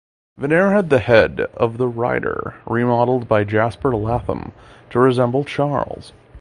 Vyner had the head of the rider remodelled by Jasper Latham to resemble Charles.